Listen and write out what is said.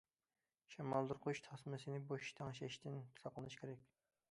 شامالدۇرغۇچ تاسمىسىنى بوش تەڭشەشتىن ساقلىنىش كېرەك.